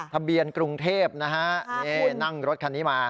ทะเบียนกรุงเทพนะฮะนี่นั่งรถคันนี้มา